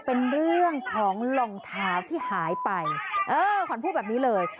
เป็นเรื่องของรองเท้าที่หายไปเออขวัญพูดแบบนี้เลย